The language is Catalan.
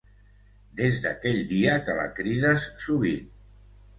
Des d'aquell dia que la crides sovint.